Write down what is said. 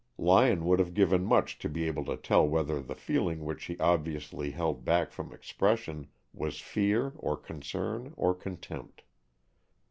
Lyon would have given much to be able to tell whether the feeling which she obviously held back from expression was fear or concern or contempt.